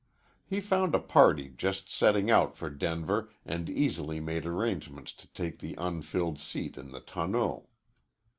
He found a party just setting out for Denver and easily made arrangements to take the unfilled seat in the tonneau.